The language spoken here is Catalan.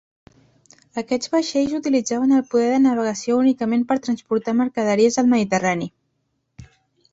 Aquests vaixells utilitzaven el poder de navegació únicament per transportar mercaderies al Mediterrani.